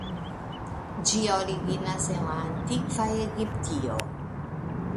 Ĝi originas en la antikva Egiptio.